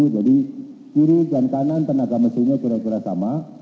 jadi kiri dan kanan tenaga mesinnya kira kira sama